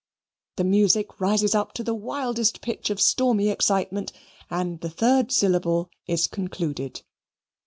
The music rises up to the wildest pitch of stormy excitement, and the third syllable is concluded.